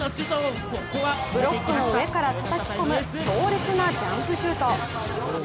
ブロックの上からたたき込む強烈なジャンプシュート。